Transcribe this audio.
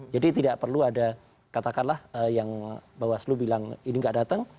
jadi tidak perlu ada katakanlah yang bawaslu bilang ini nggak datang